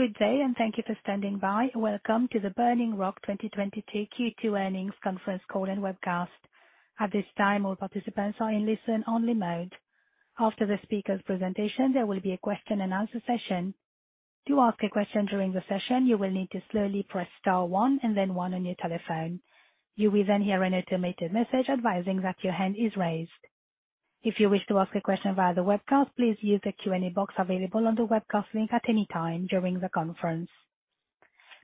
Good day, and thank you for standing by. Welcome to the Burning Rock 2022 Q2 Earnings conference call and webcast. At this time, all participants are in listen-only mode. After the speaker's presentation, there will be a question and answer session. To ask a question during the session, you will need to slowly press star one and then one on your telephone. You will then hear an automated message advising that your hand is raised. If you wish to ask a question via the webcast, please use the Q&A box available on the webcast link at any time during the conference.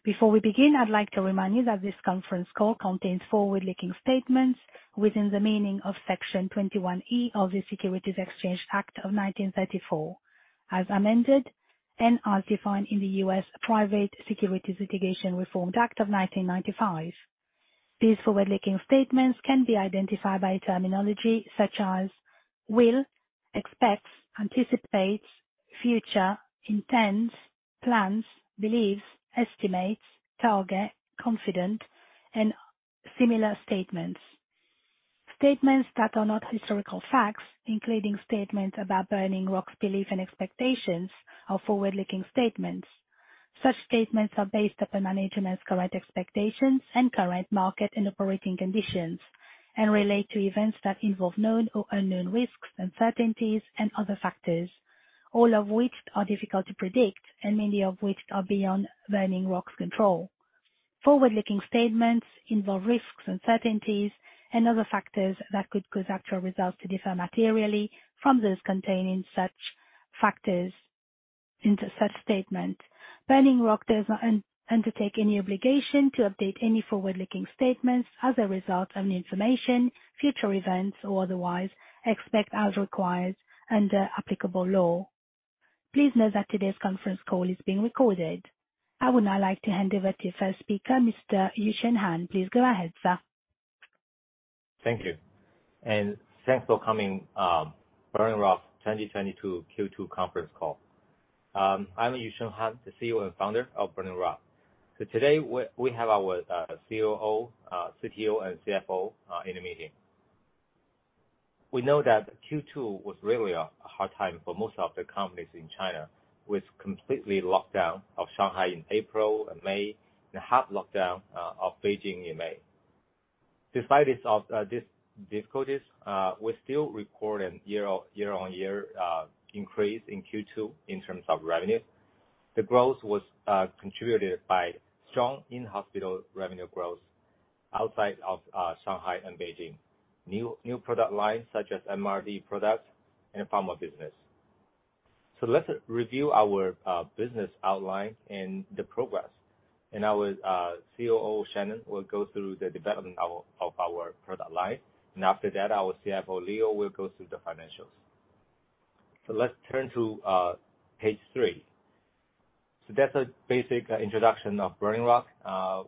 Before we begin, I'd like to remind you that this conference call contains forward-looking statements within the meaning of Section 21E of the Securities Exchange Act of 1934, as amended, and are defined in the U.S. Private Securities Litigation Reform Act of 1995. These forward-looking statements can be identified by terminology such as will, expects, anticipates, future, intends, plans, believes, estimates, target, confident, and similar statements. Statements that are not historical facts, including statements about Burning Rock's belief and expectations of forward-looking statements. Such statements are based upon management's current expectations and current market and operating conditions, and relate to events that involve known or unknown risks, uncertainties, and other factors, all of which are difficult to predict and many of which are beyond Burning Rock's control. Forward-looking statements involve risks, uncertainties and other factors that could cause actual results to differ materially from those contained in such statements. Burning Rock does not undertake any obligation to update any forward-looking statements as a result of new information, future events, or otherwise, except as required under applicable law. Please note that today's conference call is being recorded. I would now like to hand over to our first speaker, Mr. Yusheng Han. Please go ahead, sir. Thank you, and thanks for coming, Burning Rock's 2022 Q2 conference call. I'm Yusheng Han, the CEO and founder of Burning Rock. Today we have our COO, CTO and CFO in the meeting. We know that Q2 was really a hard time for most of the companies in China, with complete lockdown of Shanghai in April and May, and half lockdown of Beijing in May. Despite these difficulties, we still recorded a year-on-year increase in Q2 in terms of revenue. The growth was contributed by strong in-hospital revenue growth outside of Shanghai and Beijing. New product lines such as MRD products and pharma business. Let's review our business outline and the progress. Our COO, Shannon, will go through the development of our product line. After that, our CFO, Leo, will go through the financials. Let's turn to page three. That's a basic introduction of Burning Rock.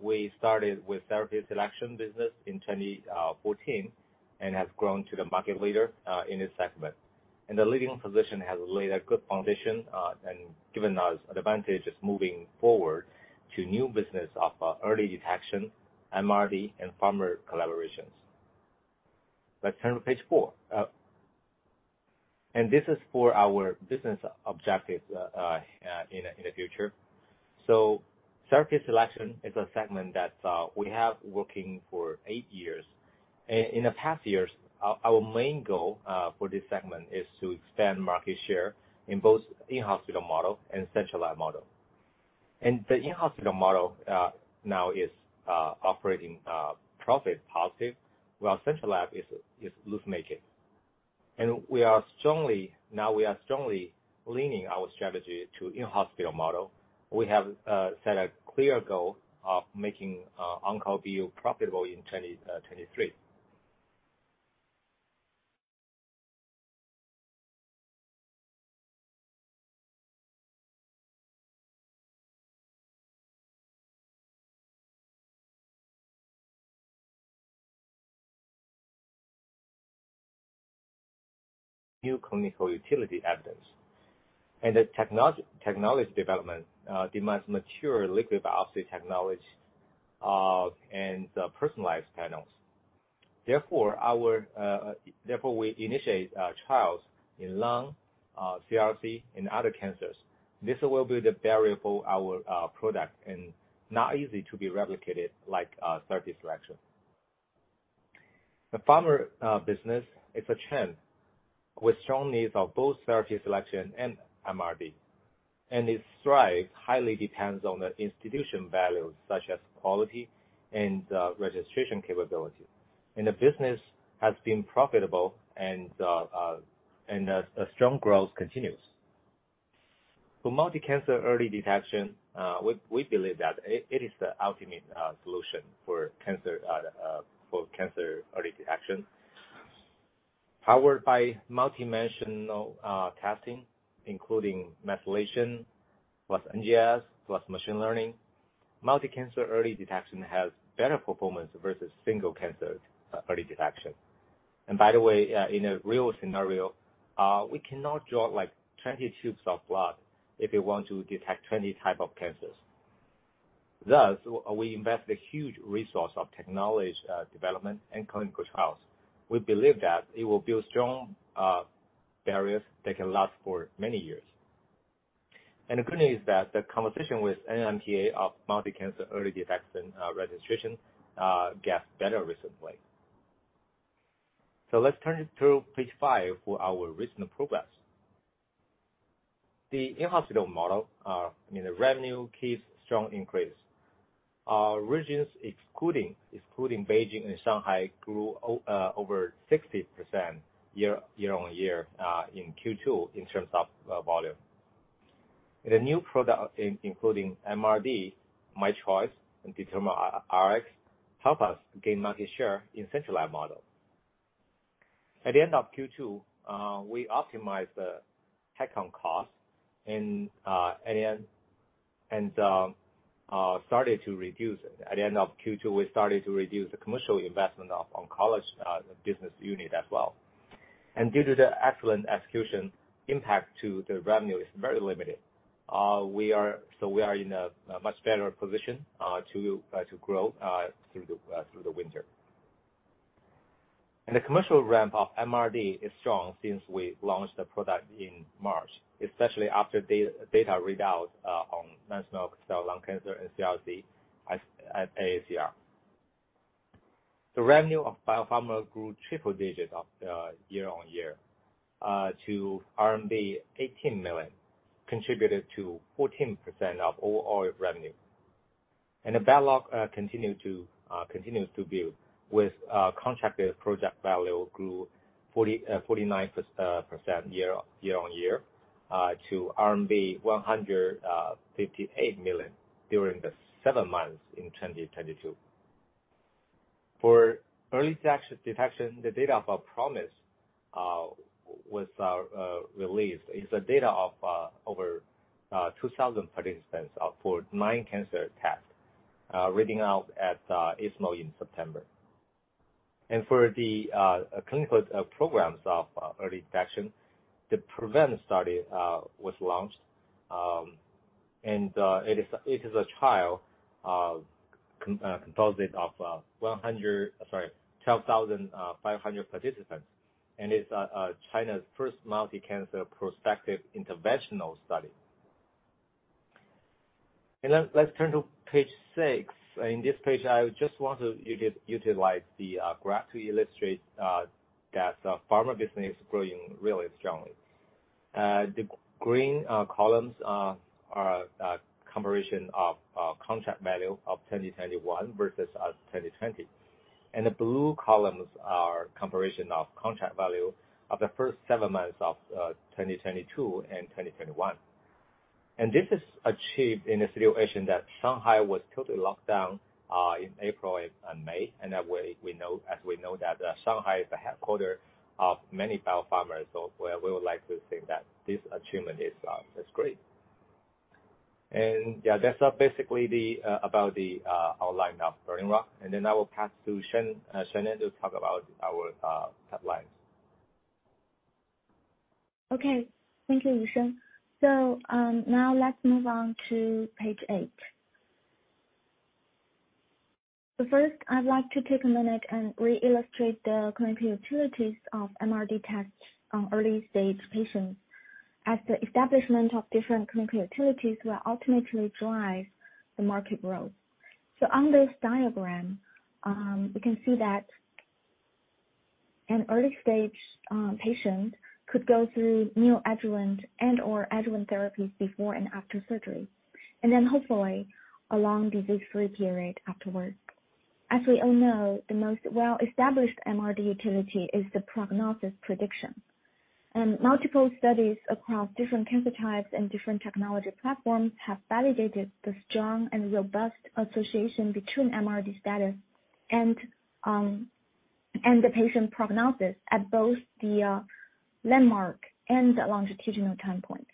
We started with therapy selection business in 2014, and have grown to the market leader in this segment. The leading position has laid a good foundation and given us advantages moving forward to new business of early detection, MRD, and pharma collaborations. Let's turn to page four. This is for our business objectives in the future. Therapy selection is a segment that we have working for eight years. In the past years, our main goal for this segment is to expand market share in both in-hospital model and central lab model. The in-hospital model now is operating profit positive, while central lab is loss-making. We are strongly leaning our strategy to in-hospital model. We have set a clear goal of making OncoBU profitable in 2023. New clinical utility evidence and the technology development demands mature liquid biopsy technology and personalized panels. Therefore, we initiate trials in lung CRC and other cancers. This will be the barrier for our product and not easy to be replicated like therapy selection. The pharma business is a trend with strong needs of both therapy selection and MRD, and its thrive highly depends on the institution values such as quality and registration capability. The business has been profitable and a strong growth continues. For multi-cancer early detection, we believe that it is the ultimate solution for cancer early detection. Powered by multidimensional testing, including methylation plus NGS plus machine learning. Multi-cancer early detection has better performance versus single cancer early detection. By the way, in a real scenario, we cannot draw like 20 tubes of blood if we want to detect 20 type of cancer. Thus, we invest a huge resource of technology development and clinical trials. We believe that it will build strong barriers that can last for many years. The good news is that the conversation with NMPA of multi-cancer early detection registration gets better recently. Let's turn to page five for our recent progress. The in-hospital model, I mean, the revenue keeps strong increase. Our regions, excluding Beijing and Shanghai, grew over 60% year-on-year in Q2 in terms of volume. The new product including MRD, myChoice, and DetermaRx, helps us gain market share in centralized model. At the end of Q2, we optimized the tech on cost and started to reduce. At the end of Q2, we started to reduce the commercial investment of oncology business unit as well. Due to the excellent execution impact to the revenue is very limited. We are in a much better position to grow through the winter. The commercial ramp of MRD is strong since we launched the product in March, especially after data read out on non-small cell lung cancer and CRC at AACR. The revenue of biopharma grew triple-digit year-on-year to RMB 18 million, contributed to 14% of overall revenue. The backlog continues to build with contracted project value grew 49% year-on-year to RMB 158 million during the seven months in 2022. For early detection, the data of our PROMISE was released. It's data of over 2,000 participants for nine cancer tests, reading out at ESMO in September. For the clinical programs of early detection, the PREVENT study was launched. It is a trial composite of 12,500 participants. It's China's first multi-cancer prospective interventional study. Let's turn to page six. In this page, I just want to utilize the graph to illustrate that pharma business is growing really strongly. The green columns are a comparison of contract value of 2021 versus 2020. The blue columns are comparison of contract value of the first seven months of 2022 and 2021. This is achieved in a situation that Shanghai was totally locked down in April and May. That way we know, as we know, that Shanghai is the heads of many biopharmas. We would like to think that this achievement is great. Yeah, that's basically about the outline of Burning Rock. I will pass to Shannon to talk about our pipelines. Okay. Thank you, Yusheng. Now let's move on to page eight. First, I'd like to take a minute and re-illustrate the clinical utilities of MRD tests on early-stage patients as the establishment of different clinical utilities will ultimately drive the market growth. On this diagram, we can see that an early-stage patient could go through neo-adjuvant and/or adjuvant therapies before and after surgery. Then hopefully, a long disease-free period afterwards. As we all know, the most well-established MRD utility is the prognosis prediction. Multiple studies across different cancer types and different technology platforms have validated the strong and robust association between MRD status and the patient prognosis at both the landmark and the longitudinal time points.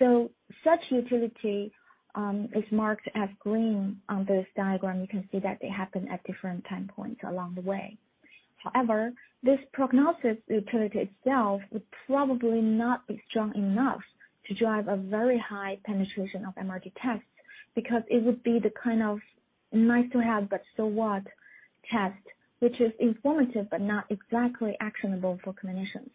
Such utility is marked as green on this diagram. You can see that they happen at different time points along the way. However, this prognosis utility itself would probably not be strong enough to drive a very high penetration of MRD tests because it would be the kind of nice to have but so what test, which is informative but not exactly actionable for clinicians.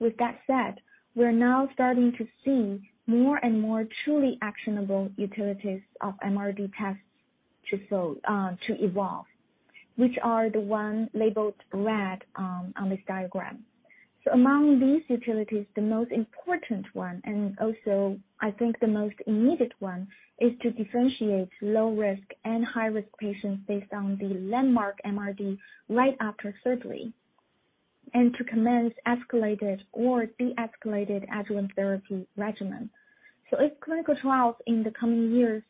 With that said, we're now starting to see more and more truly actionable utilities of MRD tests to evolve, which are the ones labeled red, on this diagram. Among these utilities, the most important one, and also I think the most needed one, is to differentiate low-risk and high-risk patients based on the landmark MRD right after surgery, and to commence escalated or de-escalated adjuvant therapy regimen. If clinical trials in the coming years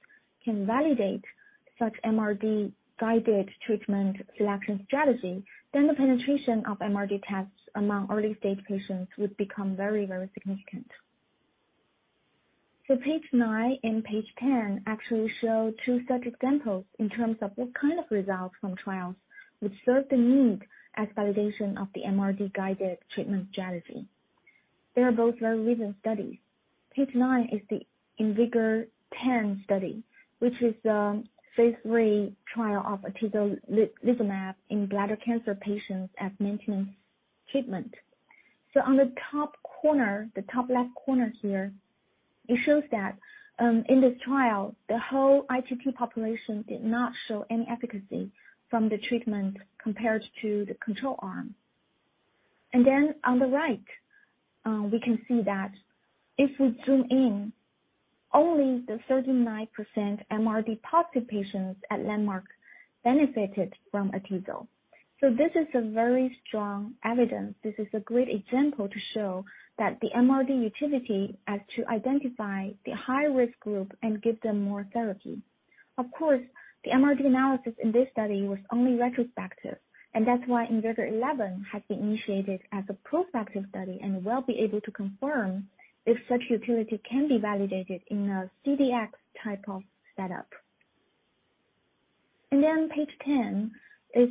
can validate such MRD-guided treatment selection strategy, then the penetration of MRD tests among early-stage patients would become very, very significant. Page nine and page ten actually show two such examples in terms of what kind of results from trials would serve the need as validation of the MRD-guided treatment strategy. They are both very recent studies. Page nine is the IMvigor010 study, which is the phase III trial of atezolizumab in bladder cancer patients as maintenance treatment. On the top corner, the top left corner here, it shows that in this trial, the whole ITT population did not show any efficacy from the treatment compared to the control arm. Then on the right, we can see that if we zoom in, only the 39% MRD positive patients at landmark benefited from atezolizumab. This is a very strong evidence. This is a great example to show that the MRD utility as to identify the high-risk group and give them more therapy. Of course, the MRD analysis in this study was only retrospective, and that's why IMvigor011 has been initiated as a prospective study, and will be able to confirm if such utility can be validated in a CDx type of setup. Page ten is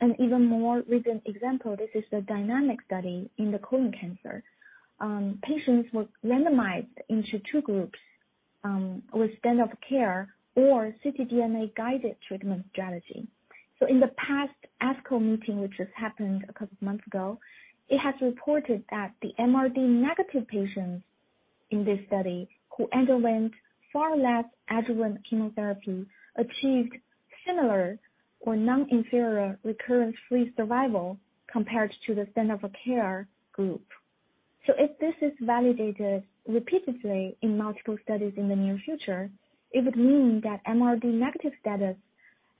an even more recent example. This is the DYNAMIC study in the colon cancer. Patients were randomized into two groups, with standard care or ctDNA-guided treatment strategy. In the past ASCO meeting, which has happened a couple of months ago, it has reported that the MRD negative patients in this study who underwent far less adjuvant chemotherapy, achieved similar or non-inferior recurrence-free survival compared to the standard of care group. If this is validated repeatedly in multiple studies in the near future, it would mean that MRD negative status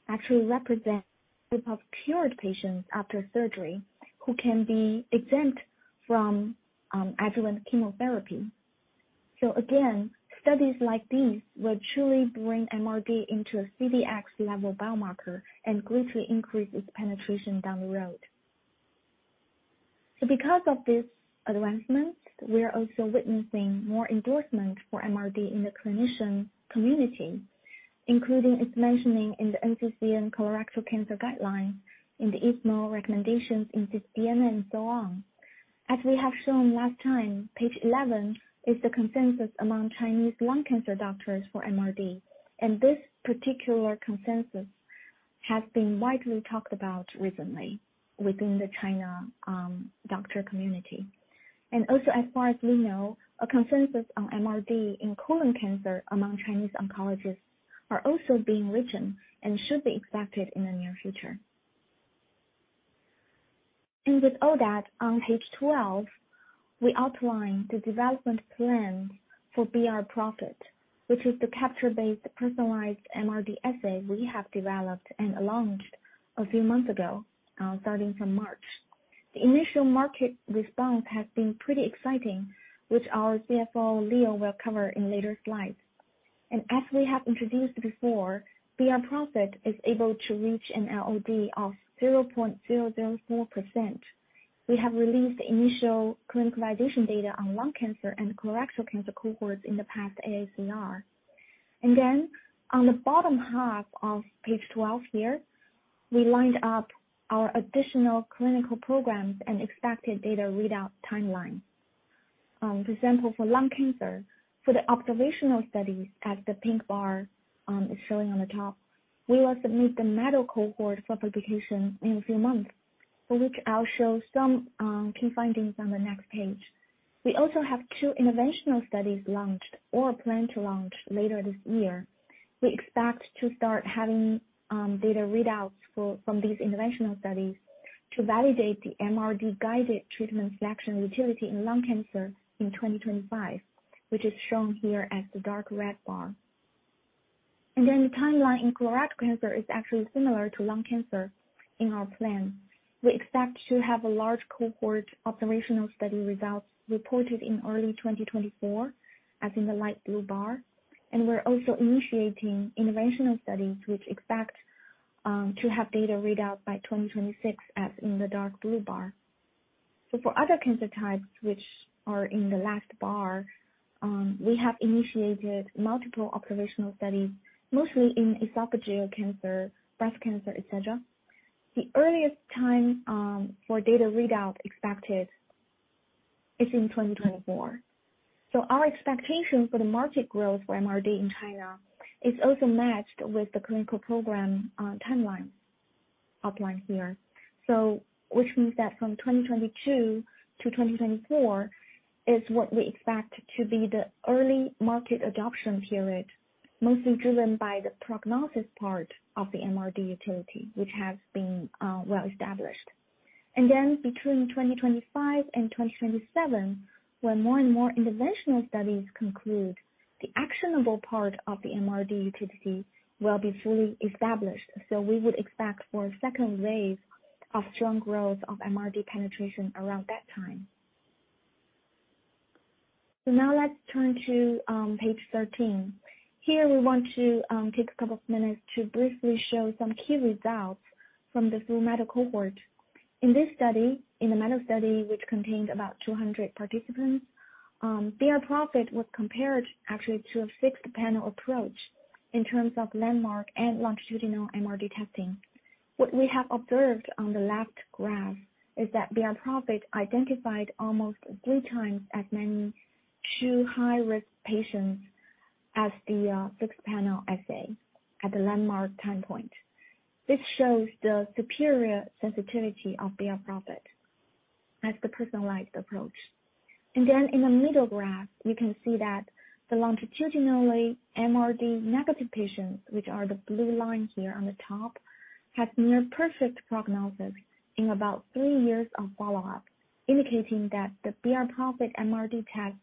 actually represents a group of cured patients after surgery who can be exempt from adjuvant chemotherapy. Again, studies like these will truly bring MRD into a CDx level biomarker and greatly increase its penetration down the road. Because of this advancement, we are also witnessing more endorsement for MRD in the clinician community, including its mentioning in the NCCN colorectal cancer guideline, in the ESMO recommendations in ctDNA and so on. As we have shown last time, page 11 is the consensus among Chinese lung cancer doctors for MRD. This particular consensus has been widely talked about recently within the Chinese doctor community. Also as far as we know, a consensus on MRD in colon cancer among Chinese oncologists are also being written and should be expected in the near future. With all that, on page 12, we outline the development plan for brPROPHET, which is the capture-based personalized MRD assay we have developed and launched a few months ago, starting from March. The initial market response has been pretty exciting, which our CFO, Leo, will cover in later slides. As we have introduced before, brPROPHET is able to reach an LOD of 0.004%. We have released initial clinical validation data on lung cancer and colorectal cancer cohorts in the past AACR. Then on the bottom half of page 12 here, we lined up our additional clinical programs and expected data readout timeline. For example, for lung cancer, for the observational studies, as the pink bar is showing on the top, we will submit the medical cohort for publication in a few months, for which I'll show some key findings on the next page. We also have two interventional studies launched or plan to launch later this year. We expect to start having data readouts for, from these interventional studies to validate the MRD guided treatment selection utility in lung cancer in 2025, which is shown here as the dark red bar. Then the timeline in colorectal cancer is actually similar to lung cancer in our plan. We expect to have a large cohort observational study results reported in early 2024, as in the light blue bar. We're also initiating interventional studies, which expect to have data readout by 2026, as in the dark blue bar. For other cancer types which are in the last bar, we have initiated multiple observational studies, mostly in esophageal cancer, breast cancer, et cetera. The earliest time for data readout expected is in 2024. Our expectation for the market growth for MRD in China is also matched with the clinical program timeline outlined here. Which means that from 2022 to 2024 is what we expect to be the early market adoption period, mostly driven by the prognosis part of the MRD utility, which has been well-established. Then between 2025 and 2027, when more and more interventional studies conclude, the actionable part of the MRD utility will be fully established. We would expect for a second wave of strong growth of MRD penetration around that time. Now let's turn to page 13. Here we want to take a couple of minutes to briefly show some key results from the full medical cohort. In this study, in the medical study, which contained about 200 participants, brPROPHET was compared actually to a fixed panel approach in terms of landmark and longitudinal MRD testing. What we have observed on the left graph is that brPROPHET identified almost three times as many true high-risk patients as the fixed panel assay at the landmark time point. This shows the superior sensitivity of brPROPHET as the personalized approach. Then in the middle graph, you can see that the longitudinal MRD negative patients, which are the blue line here on the top, have near perfect prognosis in about three years of follow-up, indicating that the brPROPHET MRD test,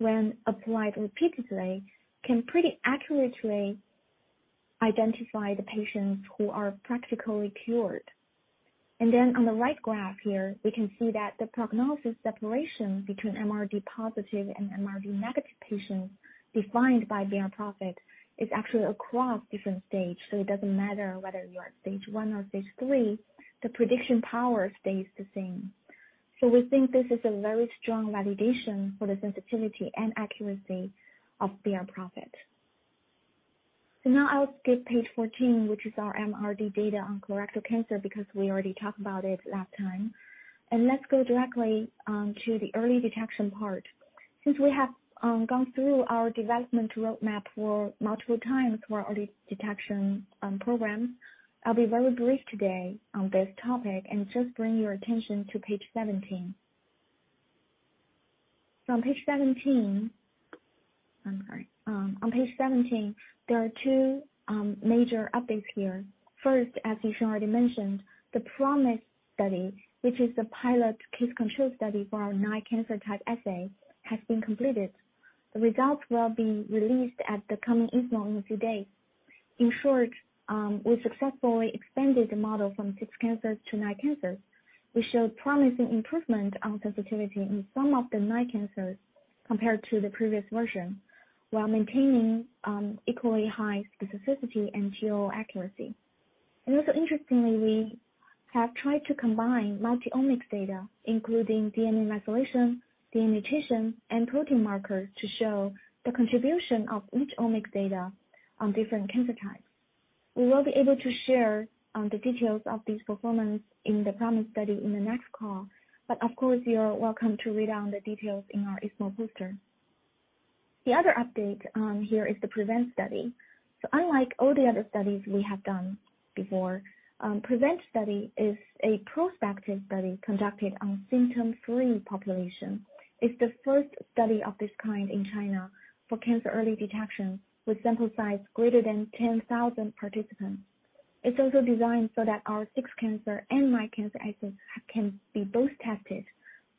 when applied repeatedly, can pretty accurately identify the patients who are practically cured. Then on the right graph here, we can see that the prognosis separation between MRD positive and MRD negative patients defined by brPROPHET is actually across different stage. It doesn't matter whether you are at stage one or stage three, the prediction power stays the same. We think this is a very strong validation for the sensitivity and accuracy of brPROPHET. Now I'll skip page 14, which is our MRD data on colorectal cancer, because we already talked about it last time. Let's go directly to the early detection part. Since we have gone through our development roadmap multiple times for early detection program, I'll be very brief today on this topic and just bring your attention to page 17. On page 17, there are two major updates here. First, as Yusheng already mentioned, the PROMISE study, which is the pilot case control study for our nine cancer type assay, has been completed. The results will be released at the coming ESMO in a few days. In short, we successfully expanded the model from six cancers to nine cancers. We showed promising improvement on sensitivity in some of the nine cancers compared to the previous version, while maintaining equally high specificity and TOO accuracy. Also interestingly, we have tried to combine multi-omics data, including DNA methylation, DNA mutation, and protein markers to show the contribution of each omics data on different cancer types. We will be able to share the details of this performance in the PROMISE study in the next call, but of course, you're welcome to read up on the details in our ESMO poster. The other update here is the PREVENT study. Unlike all the other studies we have done before, PREVENT study is a prospective study conducted on symptom-free population. It's the first study of this kind in China for cancer early detection with sample size greater than 10,000 participants. It's also designed so that our six-cancer and myCancer assays can be both tested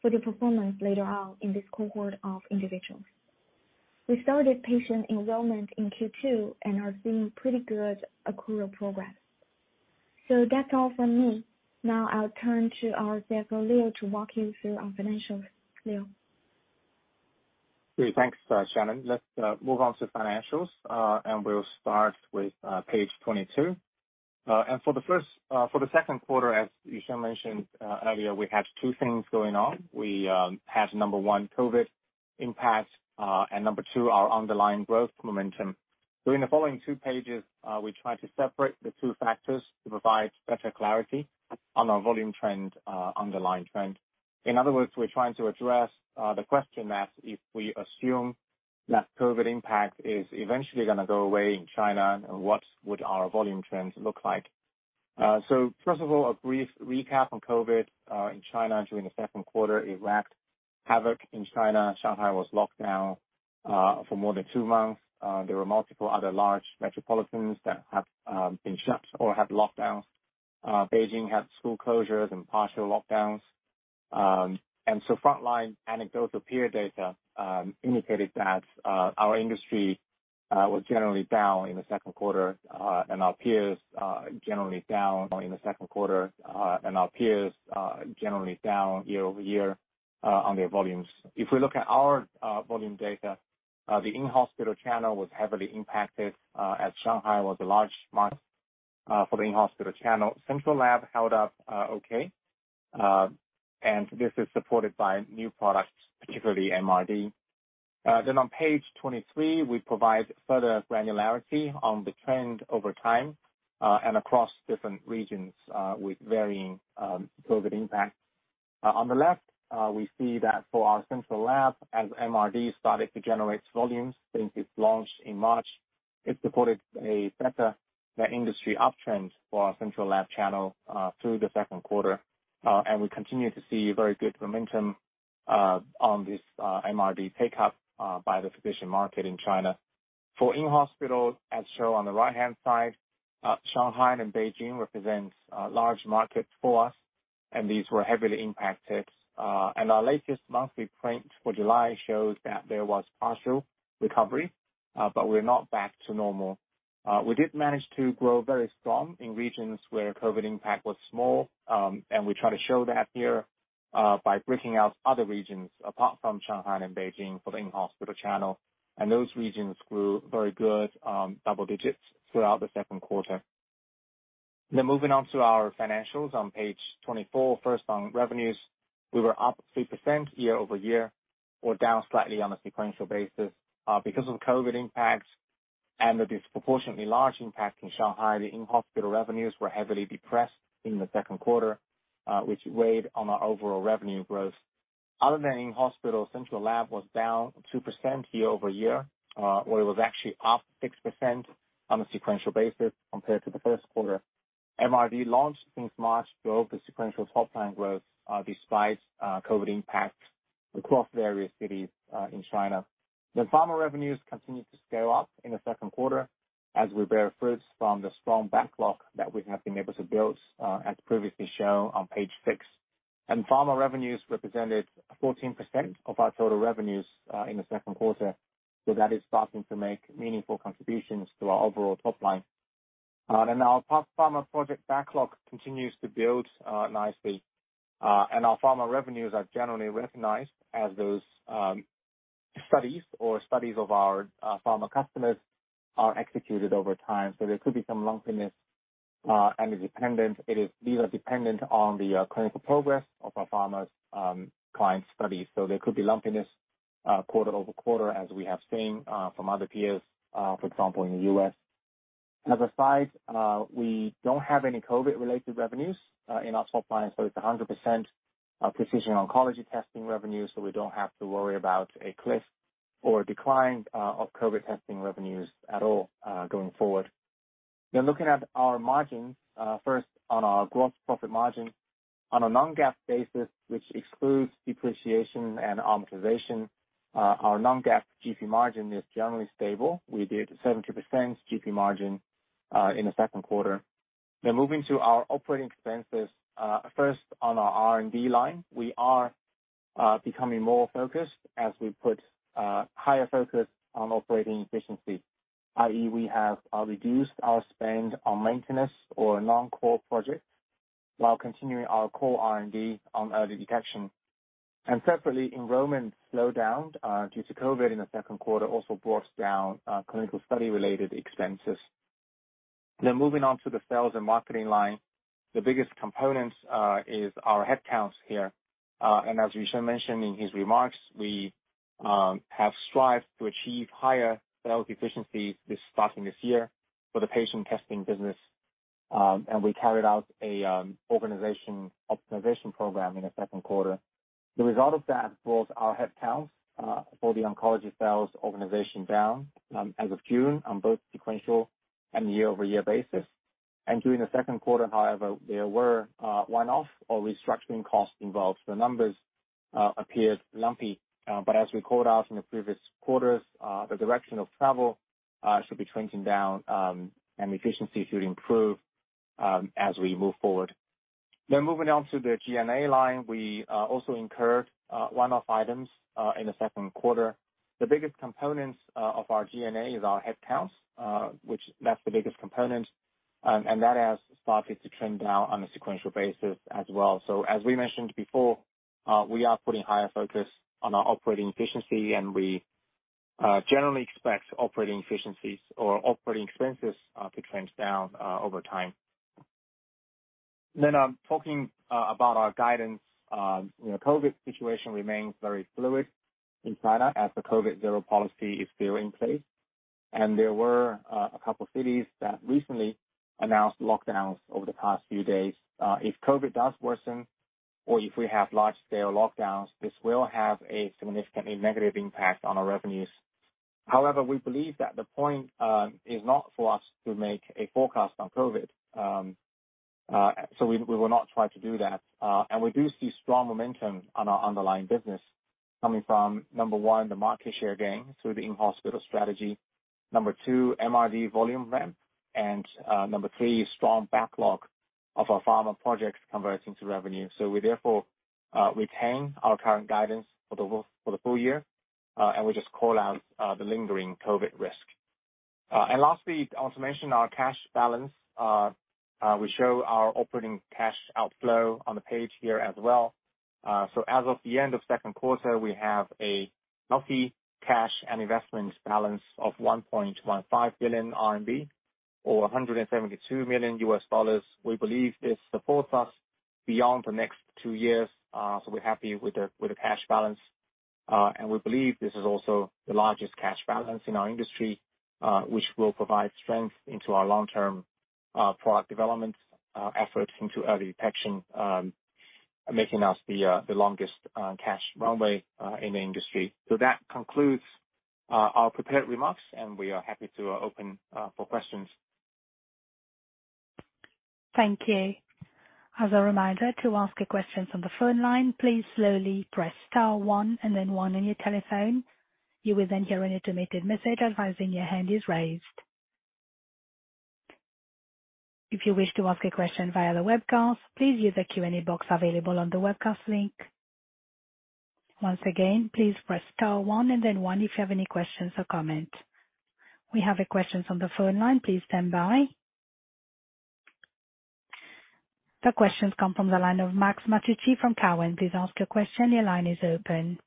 for the performance later on in this cohort of individuals. We started patient enrollment in Q2 and are seeing pretty good accrual progress. That's all from me. Now I'll turn to our CFO, Leo, to walk you through our financials. Leo? Great. Thanks, Shannon. Let's move on to financials, and we'll start with page 22. For the second quarter, as Yusheng mentioned earlier, we have two things going on. We have number one, COVID impact, and number two, our underlying growth momentum. In the following two pages, we try to separate the two factors to provide better clarity on our volume trend, underlying trend. In other words, we're trying to address the question that if we assume that COVID impact is eventually gonna go away in China, what would our volume trends look like? First of all, a brief recap on COVID in China during the second quarter, it wreaked havoc in China. Shanghai was locked down for more than two months. There were multiple other large metropolitans that have been shut or have lockdowns. Beijing had school closures and partial lockdowns. Frontline anecdotal peer data indicated that our industry was generally down in the second quarter, and our peers generally down year-over-year on their volumes. If we look at our volume data, the in-hospital channel was heavily impacted, as Shanghai was a large market for the in-hospital channel. Central lab held up okay, and this is supported by new products, particularly MRD. On page 23, we provide further granularity on the trend over time and across different regions with varying COVID impact. On the left, we see that for our central lab, as MRD started to generate volumes since its launch in March, it supported a better industry uptrend for our central lab channel through the second quarter. We continue to see very good momentum on this MRD pickup by the physician market in China. For in-hospital, as shown on the right-hand side, Shanghai and Beijing represents a large market for us, and these were heavily impacted. Our latest monthly print for July shows that there was partial recovery, but we're not back to normal. We did manage to grow very strong in regions where COVID impact was small, and we try to show that here by breaking out other regions apart from Shanghai and Beijing for the in-hospital channel. Those regions grew very good double digits throughout the second quarter. Moving on to our financials on page 24. First, on revenues, we were up 3% year-over-year or down slightly on a sequential basis, because of the COVID impact and the disproportionately large impact in Shanghai. The in-hospital revenues were heavily depressed in the second quarter, which weighed on our overall revenue growth. Other than in-hospital, central lab was down 2% year-over-year, where it was actually up 6% on a sequential basis compared to the first quarter. MRV launched since March drove the sequential top line growth, despite COVID impacts across various cities in China. Pharma revenues continued to scale up in the second quarter as we bear fruits from the strong backlog that we have been able to build, as previously shown on page 6. Pharma revenues represented 14% of our total revenues in the second quarter. That is starting to make meaningful contributions to our overall top line. Our pharma project backlog continues to build nicely. Our pharma revenues are generally recognized as those studies of our pharma customers are executed over time, so there could be some lumpiness, and these are dependent on the clinical progress of our pharma clients' studies. There could be lumpiness quarter- over- quarter as we have seen from other peers, for example, in the US. As a side, we don't have any COVID-related revenues in our top line, so it's 100% precision oncology testing revenues, so we don't have to worry about a cliff or decline of COVID testing revenues at all going forward. Looking at our margins, first on our gross profit margin. On a non-GAAP basis, which excludes depreciation and optimization, our non-GAAP GP margin is generally stable. We did 70% GP margin in the second quarter. Moving to our operating expenses. First, on our R&D line, we are becoming more focused as we put higher focus on operating efficiency, i.e., we have reduced our spend on maintenance or non-core projects while continuing our core R&D on early detection. Separately, enrollment slowed down due to COVID in the second quarter, also brought down clinical study related expenses. Moving on to the sales and marketing line, the biggest component is our headcounts here. And as Yusheng Han mentioned in his remarks, we have strived to achieve higher sales efficiency starting this year for the patient testing business. And we carried out a organization optimization program in the second quarter. The result of that brought our headcounts for the oncology sales organization down as of June on both sequential and year-over-year basis. During the second quarter, however, there were one-off or restructuring costs involved. The numbers appeared lumpy. As we called out in the previous quarters, the direction of travel should be trending down, and efficiency should improve, as we move forward. Moving on to the G&A line, we also incurred one-off items in the second quarter. The biggest components of our G&A is our headcounts, which is the biggest component, and that has started to trend down on a sequential basis as well. As we mentioned before, we are putting higher focus on our operating efficiency and we generally expect operating efficiencies or operating expenses to trend down over time. I'm talking about our guidance. You know, COVID situation remains very fluid in China as the COVID zero policy is still in place. There were a couple of cities that recently announced lockdowns over the past few days. If COVID does worsen or if we have large-scale lockdowns, this will have a significantly negative impact on our revenues. However, we believe that the point is not for us to make a forecast on COVID, so we will not try to do that. We do see strong momentum on our underlying business coming from, number one, the market share gain through the in-hospital strategy. Number two, MRD volume ramp. Number three, strong backlog of our pharma projects converting to revenue. We therefore retain our current guidance for the full- year, and we just call out the lingering COVID risk. Lastly, I want to mention our cash balance. We show our operating cash outflow on the page here as well. As of the end of second quarter, we have a healthy cash and investment balance of 1.15 billion RMB, or $172 million. We believe this supports us beyond the next two years, so we're happy with the cash balance. We believe this is also the largest cash balance in our industry, which will provide strength into our long-term product development efforts into early detection, making us the longest cash runway in the industry. That concludes our prepared remarks, and we are happy to open for questions. Thank you. As a reminder to ask a question on the phone line, please slowly press star one and then one on your telephone. You will then hear an automated message advising your hand is raised. If you wish to ask a question via the webcast, please use the Q&A box available on the webcast link. Once again, please press star one and then one if you have any questions or comments. We have a question on the phone line. Please stand by. The questions come from the line of Max Masucci from Cowen. Please ask your question. Your line is open.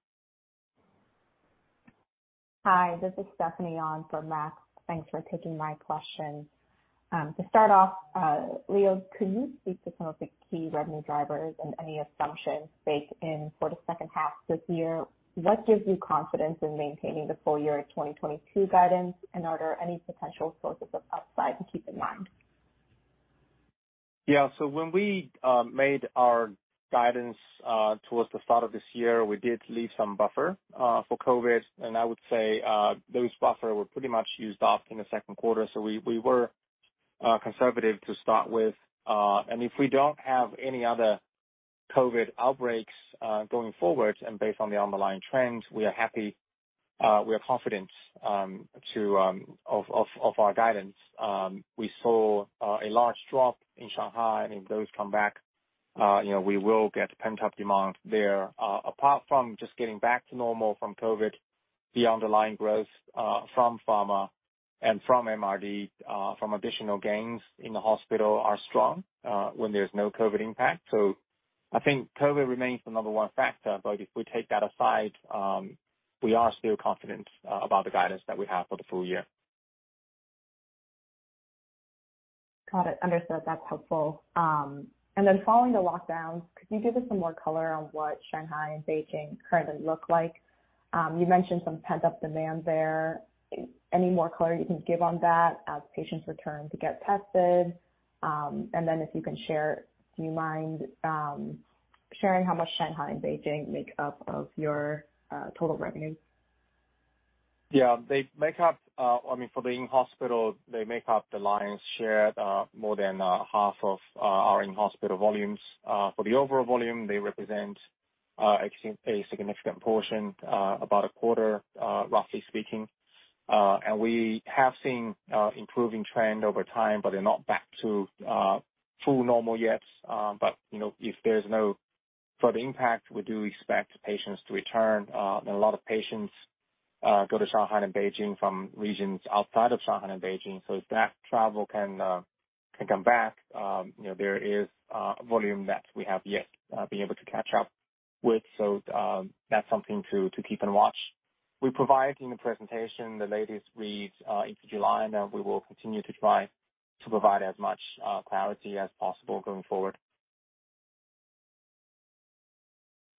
Hi, this is Stephanie Yan from Cowen. Thanks for taking my question. To start off, Leo, could you speak to some of the key revenue drivers and any assumptions baked in for the second half this year? What gives you confidence in maintaining the full -year 2022 guidance, and are there any potential sources of upside to keep in mind? Yeah. When we made our guidance towards the start of this year, we did leave some buffer for COVID. I would say those buffers were pretty much used up in the second quarter. We were conservative to start with. If we don't have any other COVID outbreaks going forward and based on the underlying trends, we are confident of our guidance. We saw a large drop in Shanghai, and if those come back, you know, we will get pent-up demand there. Apart from just getting back to normal from COVID, the underlying growth from pharma and from MRD from additional gains in the hospital are strong when there's no COVID impact. I think COVID remains the number one factor, but if we take that aside, we are still confident about the guidance that we have for the full- year. Got it. Understood. That's helpful. And then following the lockdowns, could you give us some more color on what Shanghai and Beijing currently look like? You mentioned some pent-up demand there. Any more color you can give on that as patients return to get tested. And then if you can share, do you mind sharing how much Shanghai and Beijing make up of your total revenue? Yeah. They make up, I mean, for the in-hospital, they make up the lion's share, more than half of our in-hospital volumes. For the overall volume, they represent a significant portion, about a quarter, roughly speaking. We have seen improving trend over time, but they're not back to full normal yet. You know, if there's no further impact, we do expect patients to return. A lot of patients go to Shanghai and Beijing from regions outside of Shanghai and Beijing, so if that travel can come back, you know, there is volume that we have yet been able to catch up with. That's something to keep and watch. We provide in the presentation the latest reads into July, and we will continue to try to provide as much clarity as possible going forward.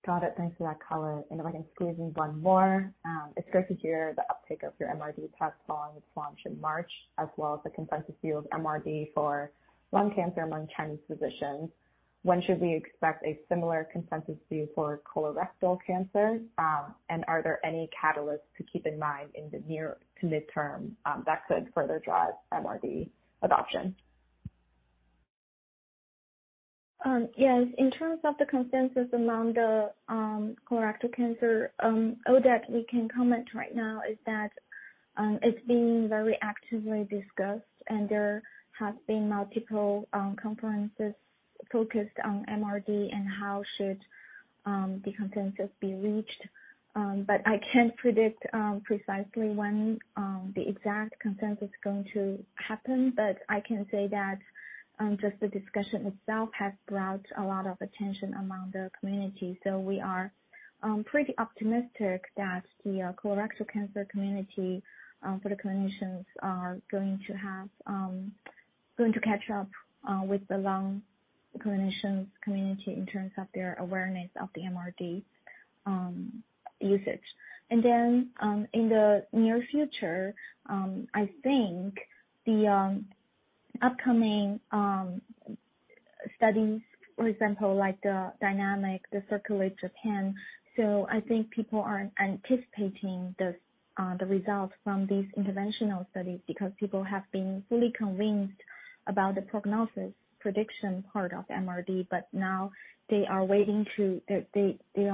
Got it. Thanks for that color. If I can squeeze in one more. It's great to hear the uptake of your MRD test following its launch in March, as well as the consensus view of MRD for lung cancer among Chinese physicians. When should we expect a similar consensus view for colorectal cancer? Are there any catalysts to keep in mind in the near to midterm that could further drive MRD adoption? Yes. In terms of the consensus among the colorectal cancer, all that we can comment right now is that it's being very actively discussed and there have been multiple conferences focused on MRD and how should the consensus be reached. I can't predict precisely when the exact consensus is going to happen. I can say that just the discussion itself has brought a lot of attention among the community. We are pretty optimistic that the colorectal cancer community for the clinicians are going to catch up with the lung clinicians community in terms of their awareness of the MRD usage. In the near future, I think the upcoming studies, for example, like the DYNAMIC, the CIRCULATE-Japan, I think people are anticipating the results from these interventional studies because people have been fully convinced about the prognosis prediction part of MRD. Now they are waiting to see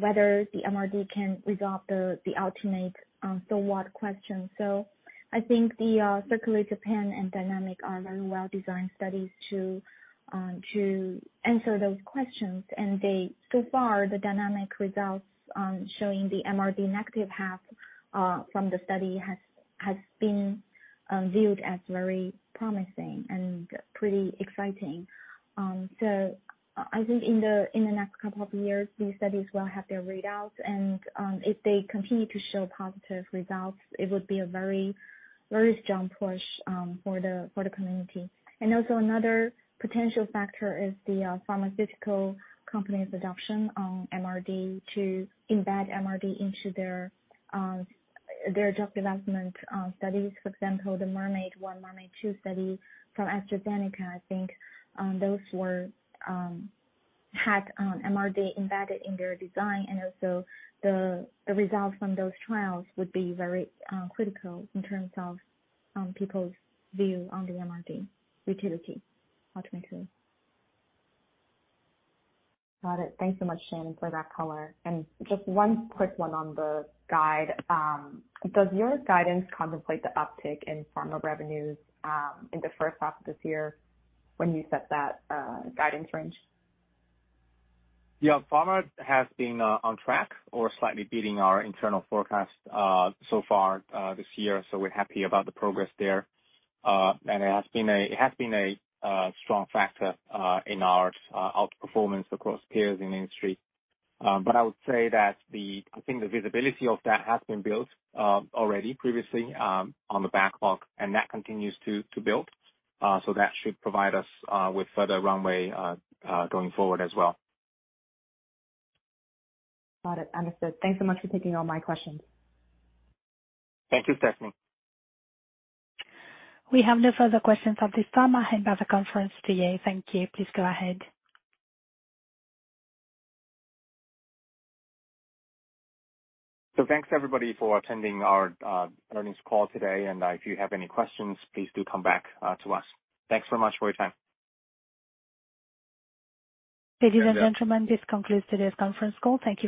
whether the MRD can resolve the ultimate so what question. I think the CIRCULATE-Japan and DYNAMIC are very well-designed studies to answer those questions. So far, the DYNAMIC results showing the MRD-negative half from the study has been viewed as very promising and pretty exciting. I think in the next couple of years, these studies will have their readouts and, if they continue to show positive results, it would be a very strong push for the community. Another potential factor is the pharmaceutical companies adoption on MRD to embed MRD into their drug development studies. For example, the MERMAID-1, MERMAID-2 study from AstraZeneca, I think, those had MRD embedded in their design. The results from those trials would be very critical in terms of people's view on the MRD utility ultimately. Got it. Thanks so much, Shannon, for that color. Just one quick one on the guide. Does your guidance contemplate the uptick in pharma revenues, in the first half of this year when you set that, guidance range? Yeah. Pharma has been on track or slightly beating our internal forecast so far this year, so we're happy about the progress there. It has been a strong factor in our outperformance across peers in the industry. I would say that I think the visibility of that has been built already previously on the backlog and that continues to build. That should provide us with further runway going forward as well. Got it. Understood. Thanks so much for taking all my questions. Thank you, Stephanie. We have no further questions at this time. I hand back the conference to you. Thank you. Please go ahead. Thanks, everybody, for attending our earnings call today. If you have any questions, please do come back to us. Thanks so much for your time. Ladies and gentlemen, this concludes today's conference call. Thank you.